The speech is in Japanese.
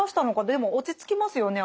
でも落ち着きますよね